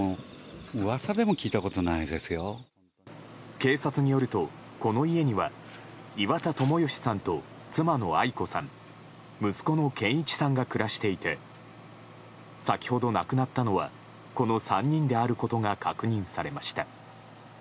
警察によるとこの家には岩田友義さんと妻の愛子さん息子の健一さんが暮らしていて先ほど亡くなったのはこの３人であることが確認されました。